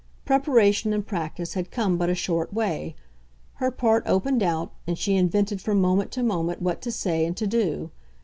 Preparation and practice had come but a short way; her part opened out, and she invented from moment to moment what to say and to do.